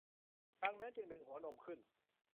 จากนั้นจึงดึงหัวนมขึ้น